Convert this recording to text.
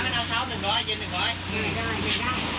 พี่เอารถใส่ที่แรกมาแล้วน้ำตาล